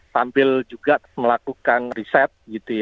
sambil juga melakukan riset